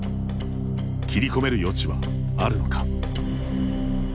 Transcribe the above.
切り込める余地は、あるのか。